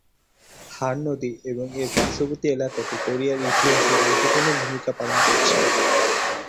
হান নদী এবং এর পার্শ্ববর্তী এলাকাটি কোরিয়ার ইতিহাসে গুরুত্বপূর্ণ ভূমিকা পালন করেছে।